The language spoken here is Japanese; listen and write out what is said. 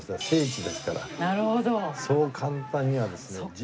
そう簡単にはですね。